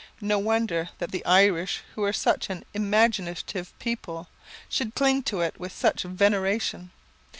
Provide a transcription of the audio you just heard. No wonder that the Irish, who are such an imaginative people, should cling to it with such veneration.